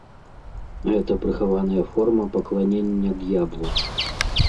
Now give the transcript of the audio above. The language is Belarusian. Гэта прыхаваная форма пакланення д'яблу!